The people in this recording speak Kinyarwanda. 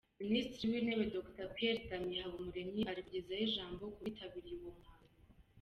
Minisitiri w’Intebe Dr Pierre Damien Habumuremyi ari kugeza ijambo ku bitabiriye uwo muhango.